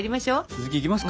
続きいきますか。